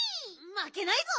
まけないぞ。